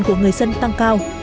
của người dân tăng cao